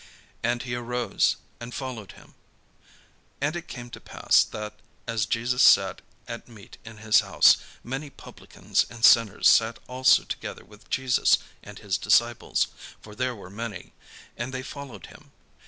And he arose and followed him. And it came to pass, that, as Jesus sat at meat in his house, many publicans and sinners sat also together with Jesus and his disciples: for there were many, and they followed him.